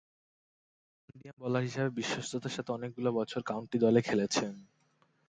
Fast-medium bowler হিসেবে বিশ্বস্ততার সাথে অনেকগুলো বছর কাউন্টি দলে খেলেছেন।